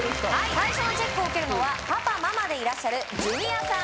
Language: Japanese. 最初のチェックを受けるのはパパママでいらっしゃるジュニアさん